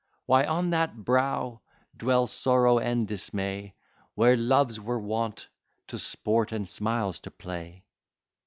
Why on that brow dwell sorrow and dismay, Where Loves were wont to sport, and Smiles to play?